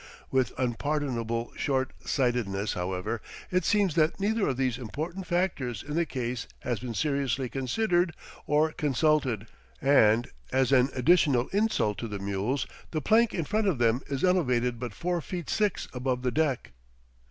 With unpardonable short sightedness, however, it seems that neither of these important factors in the case has been seriously considered or consulted, and, as an additional insult to the mules, the plank in front of them is elevated but four feet six above the deck.